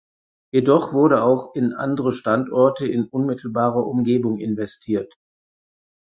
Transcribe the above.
Jedoch wurde auch in andere Standorte in unmittelbarer Umgebung investiert.